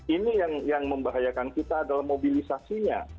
ini yang membahayakan kita adalah mobilisasinya